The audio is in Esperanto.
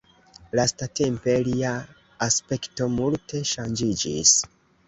Lastatempe lia aspekto multe ŝanĝiĝis.